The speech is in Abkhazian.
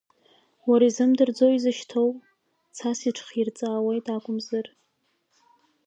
Уара изымдырӡои изышьҭоу, цас ичхирҵаауеит акәымзар?